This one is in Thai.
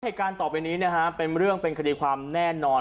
เหตุการณ์ต่อไปนี้นะฮะเป็นเรื่องเป็นคดีความแน่นอน